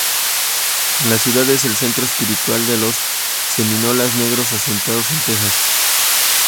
La ciudad es el centro espiritual de los semínolas negros asentados en Texas.